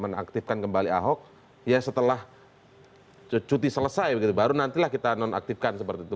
menonaktifkan kembali ahok ya setelah cuti selesai begitu baru nantilah kita nonaktifkan seperti itu